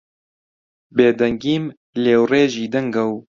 بێدەنگیم لێوڕێژی دەنگە و